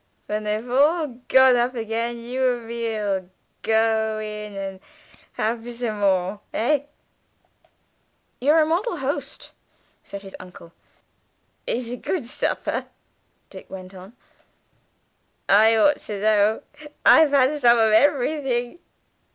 When they've all gone up again you and me'll go in and have shome more, eh?" "You're a model host," said his uncle. "It's a good shupper," Dick went on. "I ought to know. I've had some of everything.